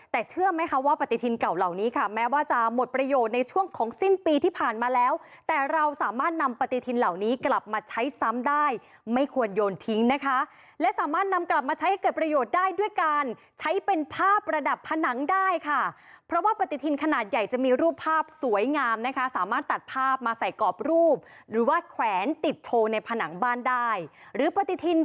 แต่เชื่อไหมคะว่าปฏิทินเก่าเหล่านี้ค่ะแม้ว่าจะหมดประโยชน์ในช่วงของสิ้นปีที่ผ่านมาแล้วแต่เราสามารถนำปฏิทินเหล่านี้กลับมาใช้ซ้ำได้ไม่ควรโยนทิ้งนะคะและสามารถนำกลับมาใช้ให้เกิดประโยชน์ได้ด้วยการใช้เป็นภาพระดับผนังได้ค่ะเพราะว่าปฏิทินขนาดใหญ่จะมีรูปภาพสวยงามนะคะสามารถตัดภ